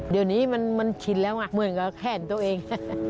เดี๋ยวนี้มันชินแล้วไงเหมือนกับแขนตัวเอง